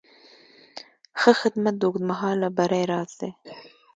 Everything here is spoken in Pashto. ښه خدمت د اوږدمهاله بری راز دی.